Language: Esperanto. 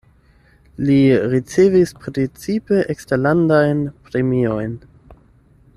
Li ricevis precipe eksterlandajn premiojn.